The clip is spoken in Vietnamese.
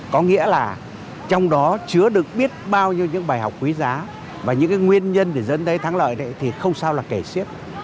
có nghĩa là trong đó chứa được biết bao nhiêu những bài học quý giá và những nguyên nhân để dẫn tới thắng lợi thì không sao là kể siết